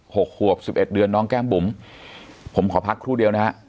หกขวบสิบเอ็ดเดือนน้องแก้มบุ๋มผมขอพักครู่เดียวนะฮะ